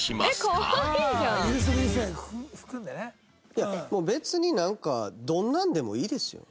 いやもう別になんかどんなんでもいいですよ。